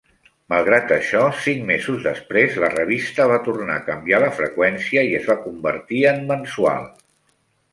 Malgrat això, cinc mesos després la revista va tornar a canviar la freqüència, i es va convertir en mensual.